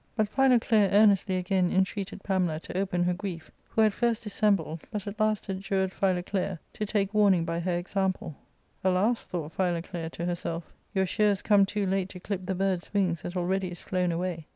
But Philoclea earnestly again intreated Pamela to open her grief, who at first dissembled, but at last adjured Philoclea to take warning by her example. "Alas, " thought Philoclea to herself, " your shears come too late to clip the bird's wings that already is flown away."